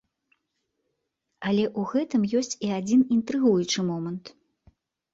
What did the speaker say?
Але ў гэтым ёсць і адзін інтрыгуючы момант.